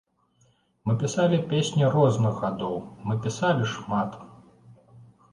Мы пісалі песні розных гадоў, мы пісалі шмат.